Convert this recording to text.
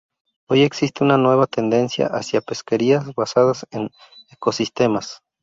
Hoy existe una nueva tendencia hacia pesquerías basadas en ecosistemas.